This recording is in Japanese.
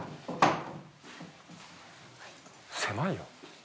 狭いよ。